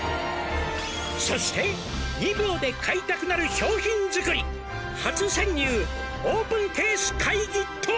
「そして２秒で買いたくなる商品づくり」「初潜入オープンケース会議とは？」